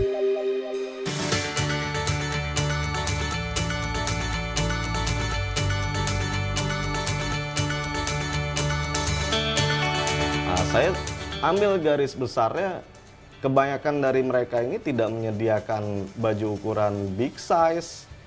saya ambil garis besarnya kebanyakan dari mereka ini tidak menyediakan baju ukuran big size